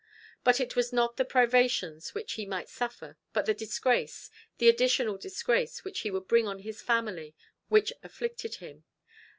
But it was not the privations which he might suffer, but the disgrace, the additional disgrace which he would bring on his family, which afflicted him.